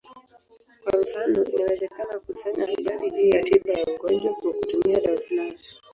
Kwa mfano, inawezekana kukusanya habari juu ya tiba ya ugonjwa kwa kutumia dawa fulani.